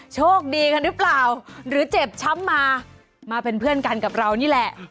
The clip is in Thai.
โชคดีกันหรือเปล่าหรือเจ็บช้ำมามาเป็นเพื่อนกันกับเรานี่แหละ